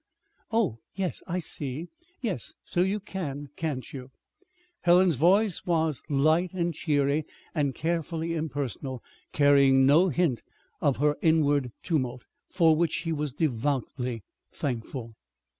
"Oh, yes, I see. Yes, so you can, can't you?" Helen's voice was light and cheery, and carefully impersonal, carrying no hint of her inward tumult, for which she was devoutly thankful.